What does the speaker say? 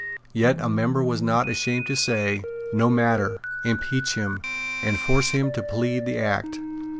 Yet a member was not ashamed to say, "No matter: impeach him; and force him to plead the Act."